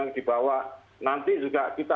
yang dibawa nanti juga kita